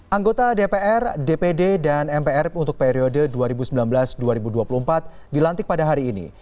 anggota dpr dpd dan mpr untuk periode dua ribu sembilan belas dua ribu dua puluh empat dilantik pada hari ini